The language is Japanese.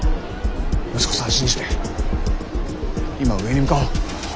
息子さんを信じて今は上に向かおう。